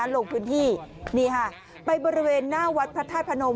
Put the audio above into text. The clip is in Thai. ลงพื้นที่นี่ค่ะไปบริเวณหน้าวัดพระธาตุพนม